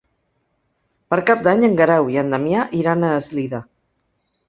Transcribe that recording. Per Cap d'Any en Guerau i en Damià iran a Eslida.